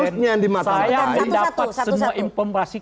saya dapat semua informasi